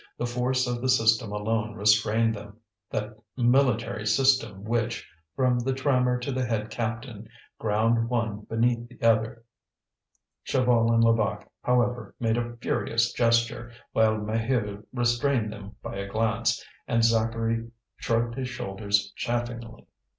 The force of the system alone restrained them, that military system which, from the trammer to the head captain, ground one beneath the other. Chaval and Levaque, however, made a furious gesture, while Maheu restrained them by a glance, and Zacharie shrugged his shoulders chaffingly.